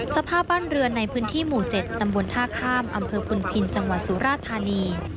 สภาพบ้านเรือนในพื้นที่หมู่๗ตำบลท่าข้ามอำเภอพุนพินจังหวัดสุราธานี